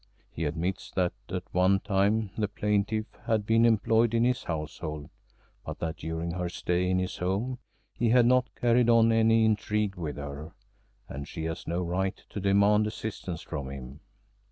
He admits that at one time the plaintiff had been employed in his household, but that during her stay in his home he had not carried on any intrigue with her, and she has no right to demand assistance from him.